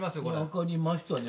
分かりました。